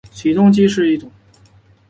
起重机是一种。